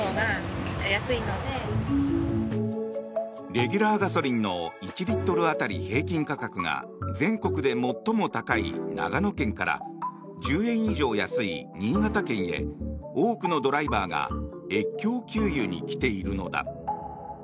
レギュラーガソリンの１リットル当たり平均価格が全国で最も高い長野県から１０円以上安い新潟県へ多くのドライバーが越境給油に来ているのだ。